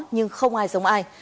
nhưng không ai giống ai